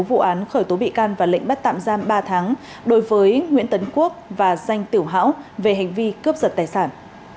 vụ án khởi tố bị can và lệnh bắt tạm giam ba tháng đối với nguyễn tấn quốc và danh tiểu hão về hành vi cướp giật tài sản